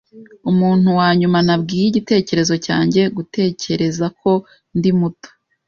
Umuntu wa nyuma nabwiye igitekerezo cyanjye gutekereza ko ndi muto.